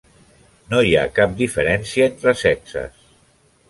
No hi ha cap diferència entre sexes.